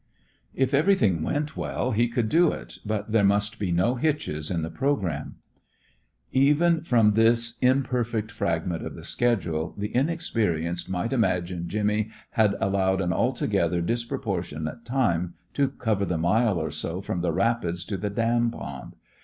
If everything went well, he could do it, but there must be no hitches in the programme. Even from this imperfect fragment of the schedule the inexperienced might imagine Jimmy had allowed an altogether disproportionate time to cover the mile or so from the rapids to the dam pond.